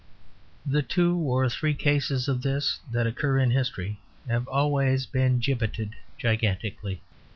The two or three cases of this that occur in history have always been gibbeted gigantically.